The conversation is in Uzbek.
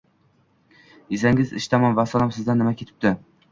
Desangiz ish tamom, vassalom, sizdan nima ketibdi